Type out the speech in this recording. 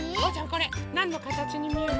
これなんのかたちにみえる？